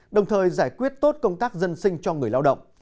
đồng thời giải quyết tốt công tác dân sinh cho người lao động